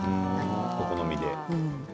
お好みで。